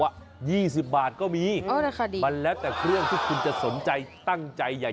๒๐บาทก็มีมันแล้วแต่เครื่องที่คุณจะสนใจตั้งใจใหญ่